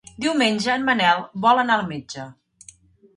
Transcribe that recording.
Diumenge en Manel vol anar al metge.